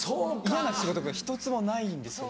嫌な仕事が１つもないんですよ。